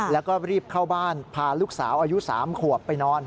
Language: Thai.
แล้วก็รีบเข้าบ้านพาลูกสาวอายุ๓ขวบไปนอน